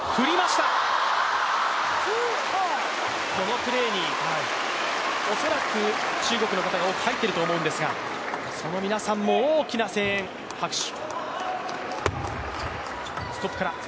このプレーに恐らく、中国の方が多く入っていると思うんですが、その皆さんも大きな声援、拍手。